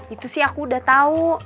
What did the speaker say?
itu sih aku udah tau